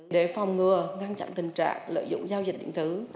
để phòng ngừa ngăn chặn tình trạng lợi dụng giao dịch điện tử